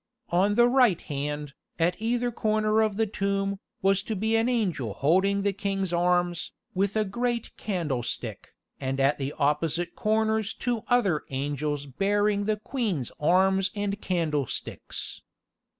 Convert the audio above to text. On the right hand, at either corner of the tomb, was to be an angel holding the king's arms, with a great candlestick, and at the opposite corners two other angels hearing the queen's arms and candlesticks.